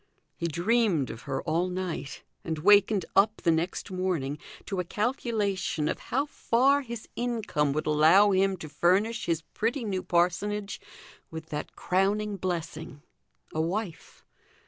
He dreamed of her all night, and wakened up the next morning to a calculation of how far his income would allow him to furnish his pretty new parsonage with that crowning blessing, a wife.